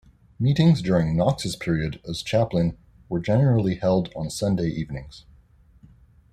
Meetings during Knox's period as chaplain were generally held on Sunday evenings.